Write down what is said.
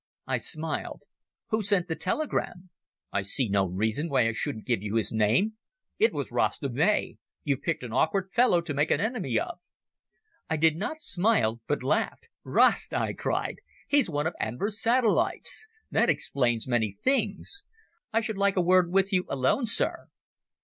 I smiled. "Who sent the telegram?" "I see no reason why I shouldn't give you his name. It was Rasta Bey. You've picked an awkward fellow to make an enemy of." I did not smile but laughed. "Rasta!" I cried. "He's one of Enver's satellites. That explains many things. I should like a word with you alone, Sir."